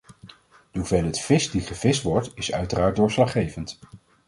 De hoeveelheid vis die gevist wordt, is uiteraard doorslaggevend.